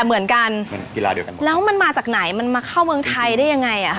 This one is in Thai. แต่เหมือนกันแล้วมันมาจากไหนมันมาเข้าเมืองไทยได้ยังไงอ่ะคะ